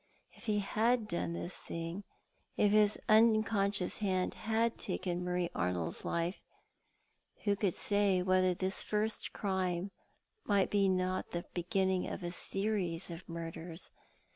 If he had done this thing; if his unconscious hand had taken Marie Arnold's life, who could say whether this first crime might not be the beginning of a series of murders